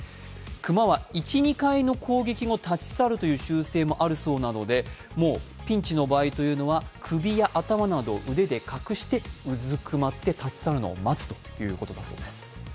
熊は１２回の攻撃後、立ち去るという習性もあるそうなのでもうピンチの場合は、首や頭などを隠してうずくまって立ち去るのを待つということだそうです。